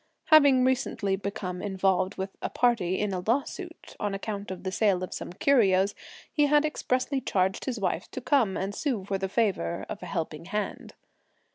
Having recently become involved with some party in a lawsuit, on account of the sale of some curios, he had expressly charged his wife to come and sue for the favour (of a helping hand).